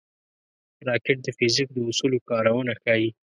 راکټ د فزیک د اصولو کارونه ښيي